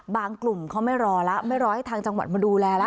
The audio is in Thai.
บางกลุ่มเขาไม่รอละไม่รอให้ทางจังหวัดมาดูแลละ